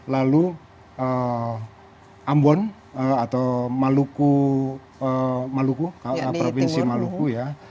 lalu ambon atau maluku provinsi maluku ya